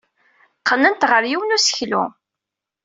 Qqnen-t ɣer yiwen n useklu.